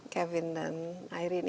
kevin dan irene